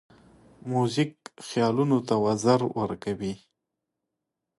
موزیک خیالونو ته وزر ورکوي.